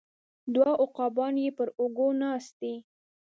دوه عقابان یې پر اوږو ناست دي